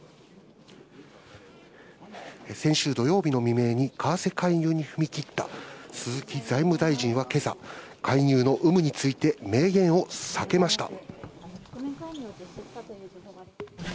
先週土曜日の未明に為替介入に踏み切った鈴木財務大臣は今朝、介入の有無について明言を避けました。